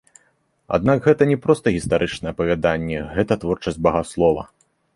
Аднак гэта не проста гістарычнае апавяданне, гэта творчасць багаслова.